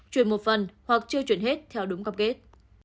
chuyển một phần hoặc chưa chuyển hết theo đúng cam kết